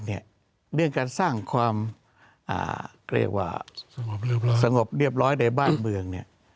เรื่องแรกเรื่องการสร้างความสงบเรียบร้อยในบ้านเมือง